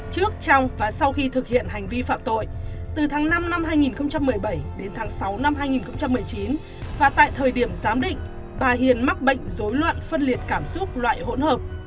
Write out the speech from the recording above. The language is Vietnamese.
trước trong và sau khi thực hiện hành vi phạm tội từ tháng năm năm hai nghìn một mươi bảy đến tháng sáu năm hai nghìn một mươi chín và tại thời điểm giám định bà hiền mắc bệnh dối loạn phân liệt cảm xúc loại hỗn hợp